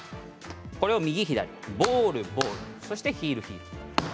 これを右左ボール、ボール、ヒール、ヒール。